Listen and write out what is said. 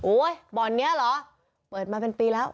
บ่อนนี้เหรอเปิดมาเป็นปีแล้ว